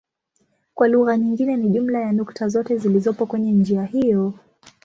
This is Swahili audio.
Kwa lugha nyingine ni jumla ya nukta zote zilizopo kwenye njia hiyo.